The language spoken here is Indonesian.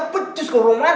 pecus kok roman